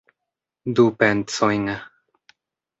Du pencojn.